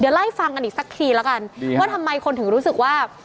ไล่ฟังกันอีกสักทีแล้วกันว่าทำไมคนถึงรู้สึกว่า